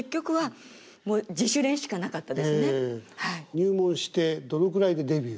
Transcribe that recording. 入門してどのぐらいでデビュー？